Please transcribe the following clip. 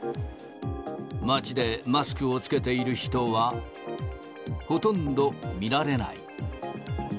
街でマスクを着けている人は、ほとんど見られない。